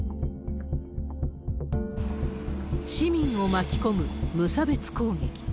市民を巻き込む無差別攻撃。